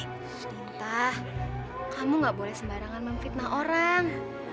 lita kamu gak boleh sembarangan memfitnah orang